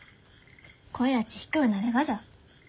声やち低うなるがじゃ。